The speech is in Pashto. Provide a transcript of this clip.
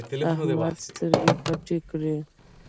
احمده سترګې پټې کړې.